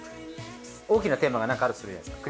大きなテーマがなんかあるとするじゃないですか。